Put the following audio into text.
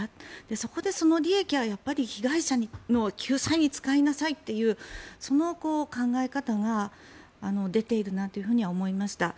そこでその利益は被害者の救済に使いなさいというその考え方は出ているなとは思いました。